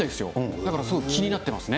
だからすごい気になっていますね。